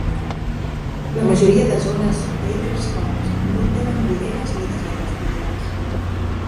La majoria de zones d'Acres Homes no tenen voreres ni desaigües pluvials.